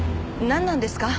なんなんですか？